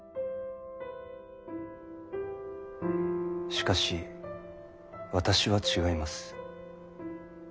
しかし私は違います。